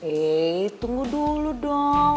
eh tunggu dulu dong